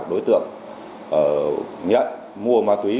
và đối tượng nhận mua ma túy